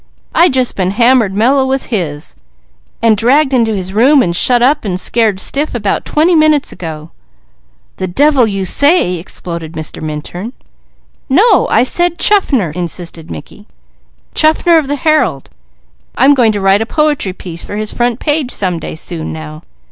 "I just been hammered meller with his, and dragged into his room, and shut up, and scared stiff, about twenty minutes ago." "The devil you say!" exploded Mr. Minturn. "No, I said Chaffner!" insisted Mickey. "Chaffner of the Herald. I'm going to write a poetry piece for his front page, some day soon now.